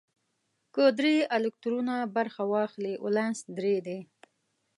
که درې الکترونه برخه واخلي ولانس درې دی.